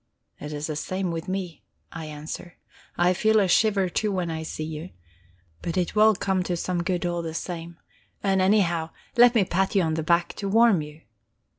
"It is the same with me," I answer. "I feel a shiver, too, when I see you. But it will come to some good all the same. And, anyhow, let me pat you on the back, to warm you."